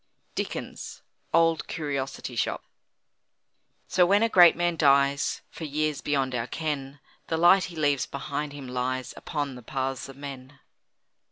DICKENS: "Old Curiosity Shop." So, when a great man dies, For years beyond our ken, The light he leaves behind him lies Upon the paths of men.